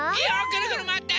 ぐるぐるまわって！